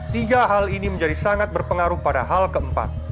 tiga hal ini menjadi sangat berpengaruh pada hal keempat